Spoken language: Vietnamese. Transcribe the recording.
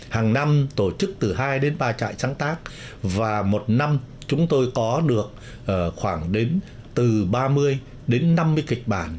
hàng năm tổ chức từ hai đến ba trại sáng tác và một năm chúng tôi có được khoảng đến từ ba mươi đến năm mươi kịch bản